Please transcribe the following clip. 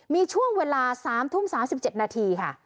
มีช่วงเวลา๓ทุ่ม๓๗นาทีค่ะ